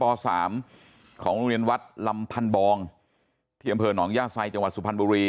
๓ของโรงเรียนวัดลำพันบองที่อำเภอหนองย่าไซจังหวัดสุพรรณบุรี